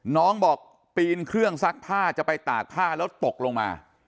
น้องบอกปีนเครื่องซักผ้าจะไปตากผ้าแล้วตกลงมา